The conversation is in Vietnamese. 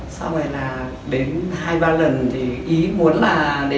sau này là đến hai ba lần thì ý muốn là